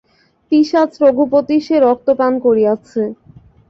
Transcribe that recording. পিশাচ রঘুপতি সে রক্ত পান করিয়াছে!